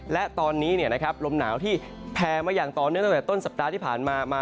และตอนนี้ลมหนาวที่แพรมาอย่างต่อเนื่องตั้งแต่ต้นสัปดาห์ที่ผ่านมามา